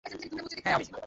হ্যা, আমি।